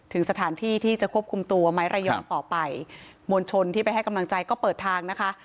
ถึงสถานที่ที่จะควบคุมตัวไม้ระยองต่อไปมวลชนที่ไปให้กำลังใจก็เปิดทางนะคะ